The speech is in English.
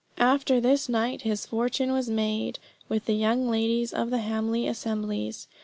After this night his fortune was made with the young ladies of the Hamley assemblies.